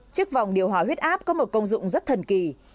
trước vòng điều hòa huyết áp có một công dụng rất thần kỳ